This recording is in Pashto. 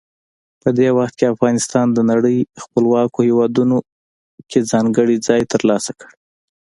په دې وخت کې افغانستان د نړۍ خپلواکو هیوادونو کې ځانګړی ځای ترلاسه کړ.